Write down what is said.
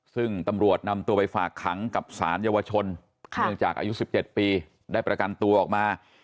ซึ่งตำรวจนำตัวไปฝากขังกับสารเยาวชนเนื่องจากอายุ๑๗ปีได้ประกันตัวออกมา